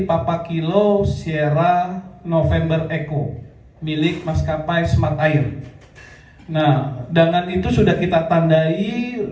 papakilo sierra november eco milik maskapai smart air nah dengan itu sudah kita tandai